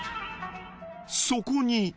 そこに。